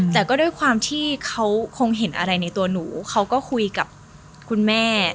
แต่ก็ด้วยความที่เขาคงเห็นอะไรในตัวหนูเขาก็คุยกับคุณแม่